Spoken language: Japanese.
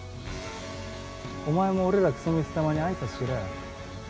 お前も俺らクソ虫様に挨拶しろよ。